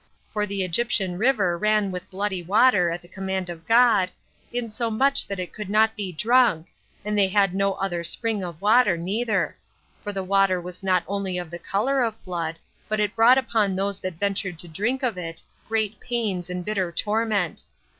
For the Egyptian river ran with bloody water at the command of God, insomuch that it could not be drunk, and they had no other spring of water neither; for the water was not only of the color of blood, but it brought upon those that ventured to drink of it, great pains and bitter torment.